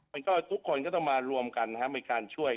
มันก็ทุกคนก็ต้องมารวมกันนะครับเป็นการช่วย